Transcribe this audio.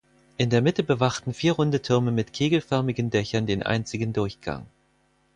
In der Mitte bewachten vier runde Türme mit kegelförmigen Dächern den einzigen Durchgang.